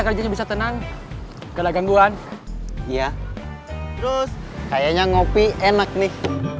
kerja bisa tenang gila gangguan ya kayaknya ngopi enak nih